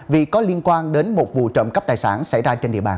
vì có liên quan đến một vụ trộm cắp tài sản xảy ra trên địa bàn